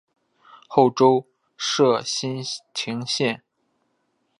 后周设莘亭县。